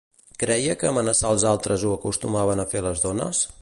Creia que amenaçar els altres ho acostumaven a fer les dones?